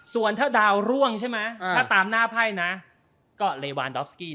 ส่วนถ้าดาวร่วงใช่ไหมถ้าตามหน้าไพ่นะก็เลวานดอฟสกี้